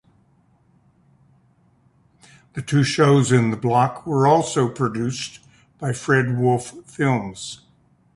The two shows in the block were also produced by Fred Wolf Films.